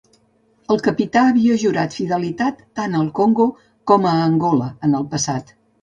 El capità havia jurat fidelitat tant al Congo com a Angola en el passat.